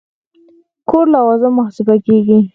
کور لوازم محاسبه کېږي.